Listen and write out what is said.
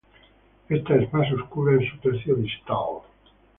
Ésta es más oscura en su tercio distal.